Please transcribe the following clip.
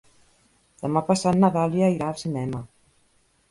Demà passat na Dàlia irà al cinema.